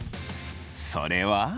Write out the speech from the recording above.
それは。